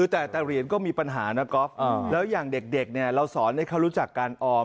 แต่เหรียญก็มีปัญหานะก๊อฟแล้วอย่างเด็กเนี่ยเราสอนให้เขารู้จักการออม